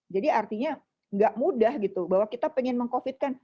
artinya nggak mudah gitu bahwa kita pengen meng covid kan